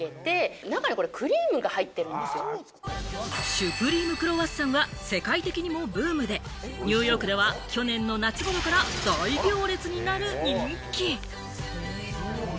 シュプリームクロワッサンは世界的にもブームで、ニューヨークでは去年の夏頃から大行列になる人気。